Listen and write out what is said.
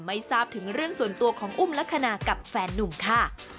ไม่ทราบถึงเรื่องส่วนตัวของอุ้มลักษณะกับแฟนนุ่มค่ะ